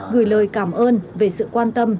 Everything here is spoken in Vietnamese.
gửi lời cảm ơn về sự quan tâm